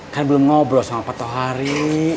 kan belum ngobrol sama pak tohari